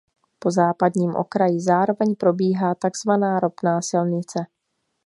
Po západním okraji zároveň probíhá takzvaná Ropná silnice.